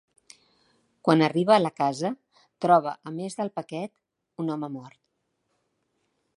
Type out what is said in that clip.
Quan arriba a la casa, troba a més del paquet, un home mort.